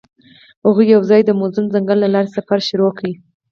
هغوی یوځای د موزون ځنګل له لارې سفر پیل کړ.